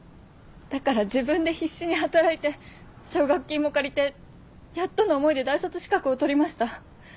だから自分で必死に働いて奨学金も借りてやっとの思いで大卒資格を取りました。